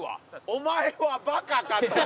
お前はバカか？と。